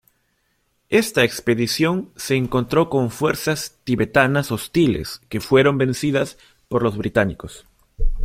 Esta expedición se encontró con fuerzas tibetanas hostiles que fueron vencidas por los británicos.